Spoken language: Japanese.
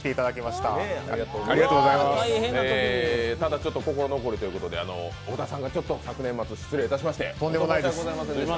ただちょっと心残りということで小田さんが昨年末失礼いたしまして。